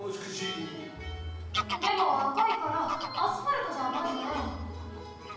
でも赤いからアスファルトじゃないよね？